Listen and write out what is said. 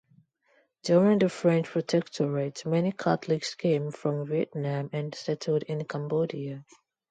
During the French Protectorate, many Catholics came from Vietnam and settled in Cambodia.